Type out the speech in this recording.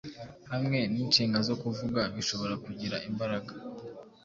hamwe ninshinga zo kuvuga bishobora kugira imbaraga